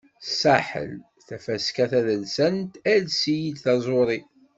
Saḥel, Tafaska tadelsant "Ales-iyi-d taẓuri".